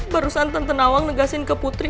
barusan tante nawang negasin ke putri